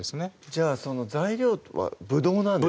じゃあ材料はブドウなんですね